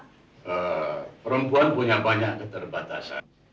karena perempuan punya banyak keterbatasan